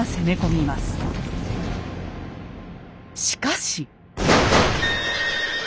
しかし。